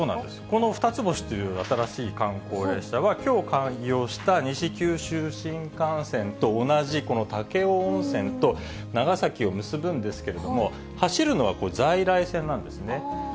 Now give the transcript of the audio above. このふたつ星という新しい観光列車は、きょう開業した西九州新幹線と同じ、武雄温泉と長崎を結ぶんですけれども、走るのは在来線なんですね。